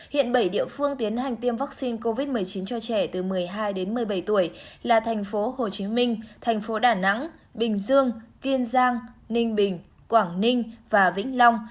hiện bảy địa phương tiến hành tiêm vaccine covid một mươi chín cho trẻ từ một mươi hai đến một mươi bảy tuổi là thành phố hồ chí minh thành phố đà nẵng bình dương kiên giang ninh bình quảng ninh và vĩnh long